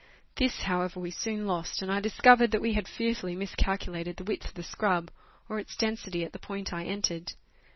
This, however, we soon lost, and I discovered that we had fear fully miscalculated the width of the scrub, or its density at the point I entered.